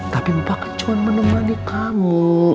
tapi bapak kan cuman menemani kamu